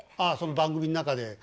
あその番組の中で。